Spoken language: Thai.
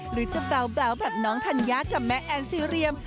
หรือจะเบาแบบน้องธัญญากับแม่แอนซีเรียม